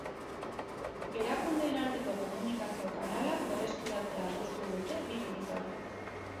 Erakundeen arteko komunikazio kanalak berreskuratzea adostu dute bi buruzagiek.